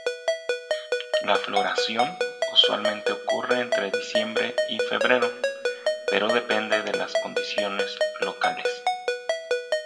La floración usualmente ocurre entre diciembre y febrero, pero depende de las condiciones locales.